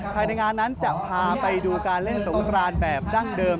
ภายในงานนั้นจะพาไปดูการเล่นสงครานแบบดั้งเดิม